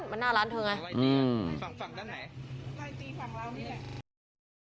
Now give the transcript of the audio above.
ทำร้ายการมาหน้าร้านเธอไง